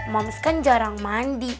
moms kan jarang mandi